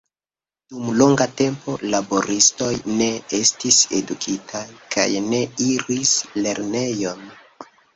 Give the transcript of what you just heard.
Dum longa tempo, laboristoj ne estis edukitaj kaj ne iris lernejon.